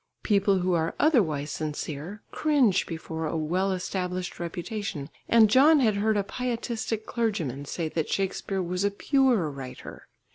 People who are otherwise sincere, cringe before a well established reputation, and John had heard a pietistic clergyman say that Shakespeare was a "pure" writer.